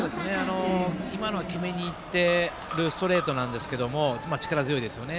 今の決めにいってるストレートなんですけど力強いですよね。